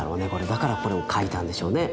だからこれを描いたんでしょうね。